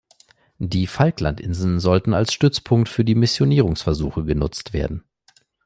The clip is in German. Die Falklandinseln sollten als Stützpunkt für die Missionierungsversuche genutzt werden.